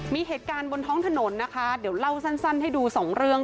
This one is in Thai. มีเหตุการณ์บนท้องถนนนะคะเดี๋ยวเล่าสั้นให้ดูสองเรื่อง